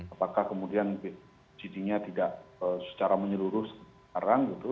apakah kemudian subsidinya tidak secara menyeluruh sekarang gitu